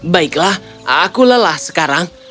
baiklah aku lelah sekarang